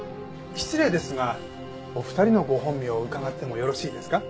失礼ですがお二人のご本名を伺ってもよろしいですか？